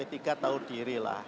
enggak lah p tiga tahu diri lah